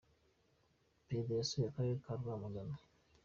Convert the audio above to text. perezida yasuye akarere ka rwamagana.